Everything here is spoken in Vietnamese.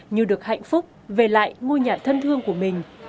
như được hạnh phúc về lại ngôi nhà thân thương của mình